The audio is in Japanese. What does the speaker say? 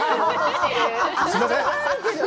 すんません！